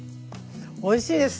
おいしいです！